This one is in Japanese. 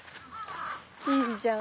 いいじゃん。